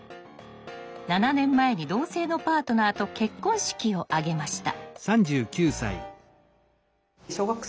７年前に同性のパートナーと結婚式を挙げました。